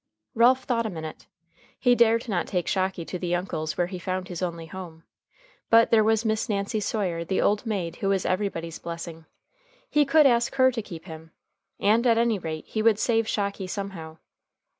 Ralph thought a minute. He dared not take Shocky to the uncle's where he found his only home. But there was Miss Nancy Sawyer, the old maid who was everybody's blessing. He could ask her to keep him. And, at any rate, he would save Shocky somehow.